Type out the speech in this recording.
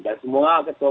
dan semua ketua